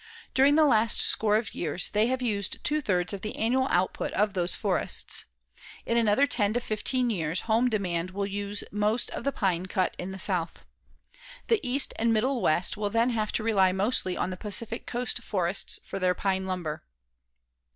During the last score of years, they have used two thirds of the annual output of those forests. In another ten to fifteen years home demand will use most of the pine cut in the South. The East and Middle West will then have to rely mostly on the Pacific Coast forests for their pine lumber.